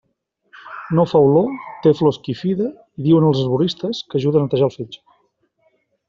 No fa olor, té flor esquifida i diuen els herboristes que ajuda a netejar el fetge.